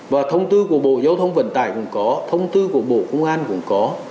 và thông tư của bộ giao thông vận tải cũng có thông tư của bộ công an cũng có